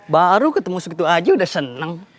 baru ketemu segitu aja udah seneng